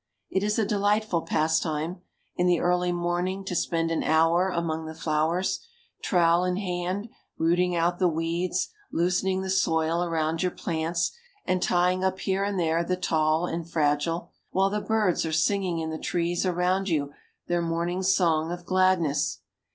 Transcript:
It is a delightful pastime, in the early morning, to spend an hour among the flowers, trowel in hand, rooting out the weeds, loosening the soil around your plants, and tying up here and there the tall and fragile, while the birds are singing in the trees around you their morning song of gladness.